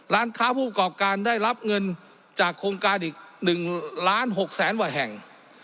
ร้านค้าผู้ประกอบการได้รับเงินจากโครงการอีก๑ล้าน๖แสนกว่าแห่ง